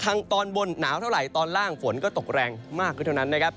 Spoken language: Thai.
ถังตอนบนหนาวเท่าไรส่วนต้นอะไรครับก็ตกแรงมากเท่านั้นนะครับ